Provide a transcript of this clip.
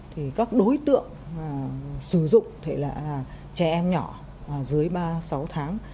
thì các đối tượng sử dụng là trẻ em nhỏ dưới ba sáu tháng